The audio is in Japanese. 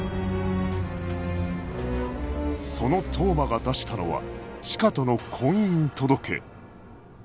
その当麻が出したのはチカとの婚姻届